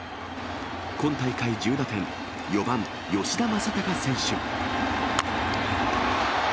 今大会１０打点、４番吉田正尚選手。